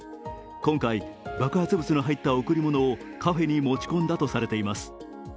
今回、爆発物の入った贈り物をカフェに持ち込んだとされています。